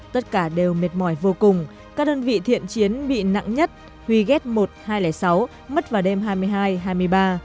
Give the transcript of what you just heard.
tất cả đều mệt mỏi vô cùng các đơn vị thiện chiến bị nặng nhất huy ghét một hai trăm linh sáu mất vào đêm hai mươi hai hai mươi ba